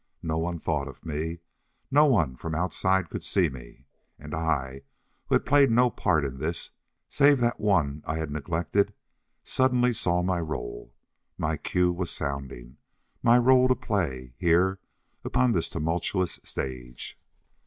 No one thought of me. No one from outside could see me. And I, who had played no part in this, save that one I had neglected, suddenly saw my role. My cue was sounding. My role to play, here upon this tumultuous stage.